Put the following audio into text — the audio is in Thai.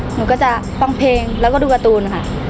หนูก็จะฟังเพลงแล้วก็ดูการ์ตูนค่ะ